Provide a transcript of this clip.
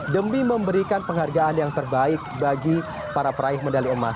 demi memberikan penghargaan yang terbaik bagi para peraih medali emas